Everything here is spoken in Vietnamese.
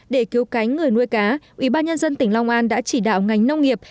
để cứu cánh người nuôi cá ubnd tỉnh long an đã chỉ đạo ngành nông nghiệp